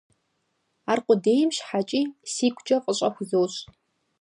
Аркъудейм щхьэкӀи сигукӀэ фӀыщӀэ хузощӀ.